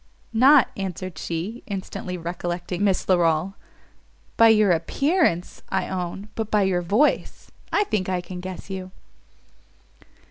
"Not," answered she, instantly recollecting Miss Larolles, "by your appearance, I own! but by your voice, I think I can guess you."